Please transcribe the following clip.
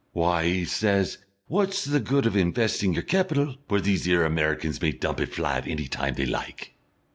"W'y, 'e says, wot's the good of 'nvesting your kepital where these 'ere Americans may dump it flat any time they like...."